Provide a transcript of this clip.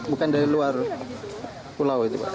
bukan dari luar pulau itu pak